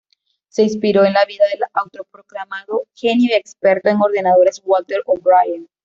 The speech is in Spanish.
Se inspiró en la vida del autoproclamado genio y experto en ordenadores Walter O'Brien.